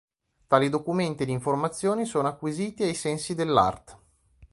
Tali documenti ed informazioni sono acquisiti ai sensi dell'art.